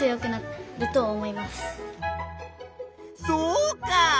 そうか！